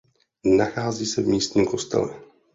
Nachází se v místním kostele.